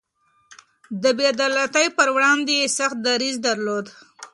د بې عدالتۍ پر وړاندې يې سخت دريځ درلود.